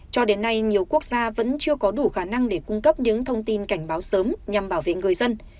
cho đến nay nhiều quốc gia vẫn chưa có đủ khả năng để cung cấp những thông tin cảnh báo sớm nhằm bảo vệ người dân